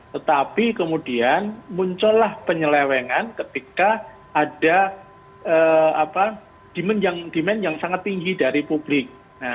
tetapi kemudian muncullah penyelewengan ketika ada demand yang sangat tinggi dari publik